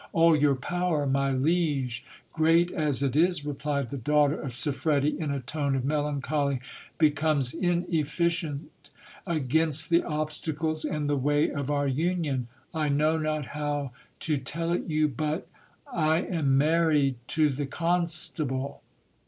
All your power, my liege, great as it is, replied the daughter of Siffredi in a tone of melancholy, becomes inefficient against the obstacles in the way of our union. I know not how to tell it you, but I am married to the constable.